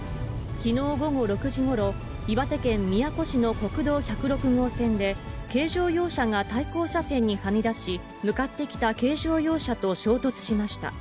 きのう午後６時ごろ、岩手県宮古市の国道１０６号線で、軽乗用車が対向車線にはみ出し、向かってきた軽乗用車と衝突しました。